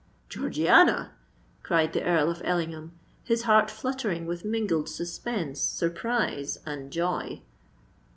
"Georgiana!" cried the Earl of Ellingham, his heart fluttering with mingled suspense, surprise, and joy.